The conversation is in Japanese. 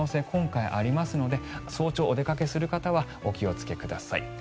今回、ありますので早朝、お出かけする方はお気をつけください。